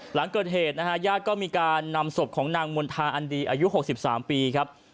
หลังเกิดเหตุนะฮะญาติก็มีการนำศพของนางมณฑาอันดีอายุ๖๓ปีครับ